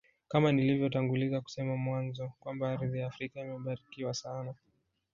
Kama nilivyotanguliza kusema mwanzo Kwamba ardhi ya Afrika imebarikiwa sana